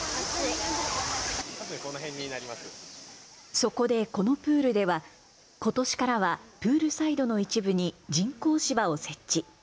そこでこのプールではことしからはプールサイドの一部に人工芝を設置。